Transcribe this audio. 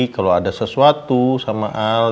kalau ada sesuatu sama al